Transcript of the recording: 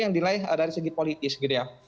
yang dilaih dari segi politis gitu ya